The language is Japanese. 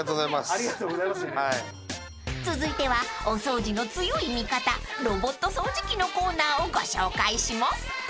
［続いてはお掃除の強い味方ロボット掃除機のコーナーをご紹介します］